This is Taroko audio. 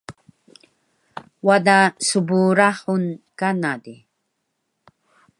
wada sbrahun kana di